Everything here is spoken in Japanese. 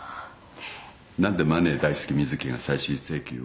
何でマネー大好き瑞希が再審請求を？